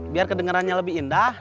biar kedengerannya lebih indah